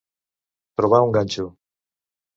Trobar un ganxo.